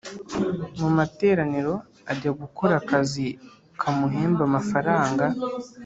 mu materaniro ajya gukora akazi kamuhembaga amafaranga